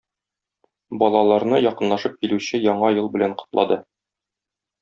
Балаларны якынлашып килүче Яңа ел белән котлады.